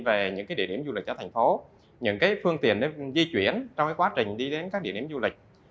về những địa điểm du lịch ở thành phố những phương tiện di chuyển trong quá trình đi đến các địa điểm du lịch